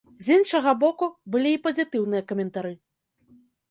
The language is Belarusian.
З іншага боку, былі і пазітыўныя каментары.